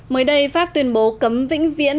mới đây pháp tuyên bố cấm vĩnh viễn